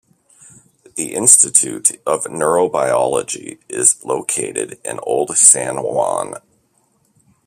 The Institute of Neurobiology is located in Old San Juan.